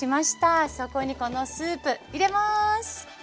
そこにこのスープ入れます。